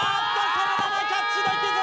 このままキャッチできず！